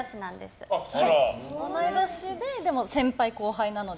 同い年で先輩・後輩なので。